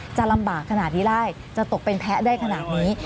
จะลำบากขนาดนี้ได้จะตกเป็นแพ้ได้ขนาดนี้